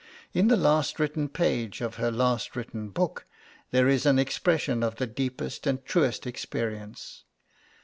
In the last written page of her last written book, there is an expression of the deepest and truest experience.